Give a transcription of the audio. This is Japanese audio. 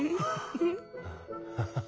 ハハハハ。